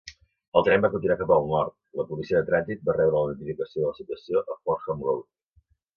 El tren va continuar cap al nord; la policia de trànsit va rebre la notificació de la situació a Fordham Road.